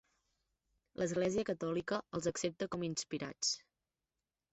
L'Església Catòlica els accepta com inspirats.